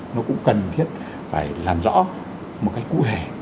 nó cũng cần thiết phải làm rõ một cách cụ thể